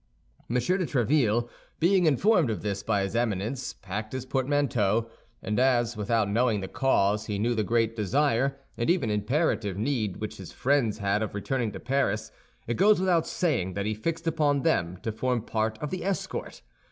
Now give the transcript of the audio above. M. de Tréville, being informed of this by his Eminence, packed his portmanteau; and as without knowing the cause he knew the great desire and even imperative need which his friends had of returning to Paris, it goes without saying that he fixed upon them to form part of the escort.